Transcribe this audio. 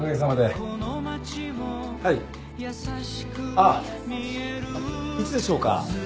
あっいつでしょうか？